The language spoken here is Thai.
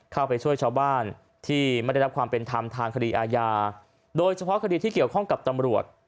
เข้าไปช่วยชาวบ้านที่ไม่ได้รับความเป็นธรรมทางคดีอาญาโดยเฉพาะคดีที่เกี่ยวข้องกับตำรวจ